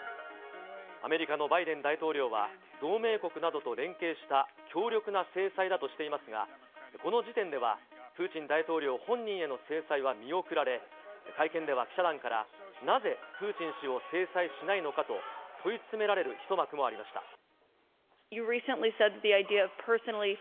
アメリカのバイデン大統領は、同盟国などと連携した強力な制裁だとしていますが、この時点では、プーチン大統領本人への制裁は見送られ、会見では記者団から、なぜ、プーチン氏を制裁しないのかと、問い詰められる一幕もありました。